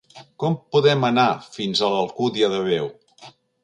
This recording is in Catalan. Com podem anar fins a l'Alcúdia de Veo?